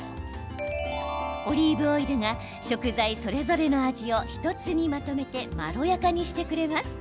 オリーブオイルが食材それぞれの味を１つにまとめてまろやかにしてくれます。